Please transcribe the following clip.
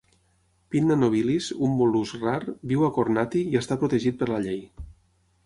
"Pinna nobilis", un mol·lusc rar, viu a Kornati i està protegit per la llei.